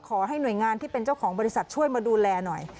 ขอให้หน่วยงานที่เป็นเจ้าของบริษัทช่วยมาดูแลหน่อย